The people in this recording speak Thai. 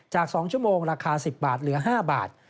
๒ชั่วโมงราคา๑๐บาทเหลือ๕บาท